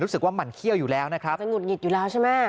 รู้สึกว่ามันเขี้ยวอยู่แล้วนะครับ